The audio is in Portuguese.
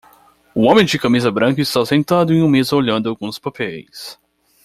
Um homem de camisa branca está sentado em uma mesa olhando alguns papéis